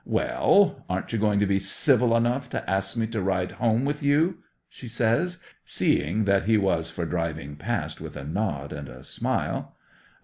'"Well, aren't you going to be civil enough to ask me to ride home with you!" she says, seeing that he was for driving past with a nod and a smile.